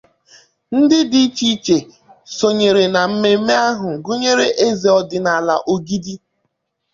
Ndị dị iche iche sonyere na mmemme ahụ gụnyèrè eze ọdịnala Ogidi